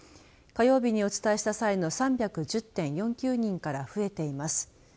火曜日にお伝えした際の３１０．４９人から増えています。